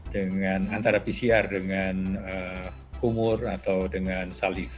dengan antara pcr dengan kumur atau dengan salifah